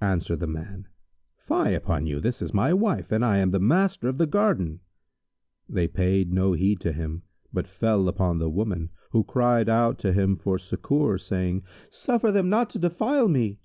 Answered the man, "Fie upon you! This is my wife and I am the master of the garden." They paid no heed to him, but fell upon the woman, who cried out to him for succour, saying, "Suffer them not to defile me!"